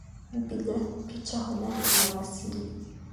Mpiga picha hodari amewasili.